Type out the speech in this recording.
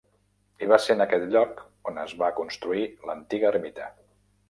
I va ser en aquest lloc on es va construir l'antiga ermita.